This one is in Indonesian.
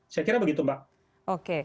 saya kira begitu mbak